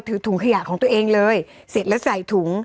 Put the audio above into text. ถุงขยะของตัวเองเลยเสร็จแล้วใส่ถุง